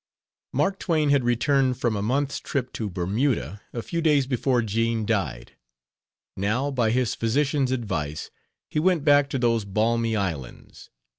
Mark Twain had returned from a month's trip to Bermuda a few days before Jean died. Now, by his physician's advice, he went back to those balmy islands.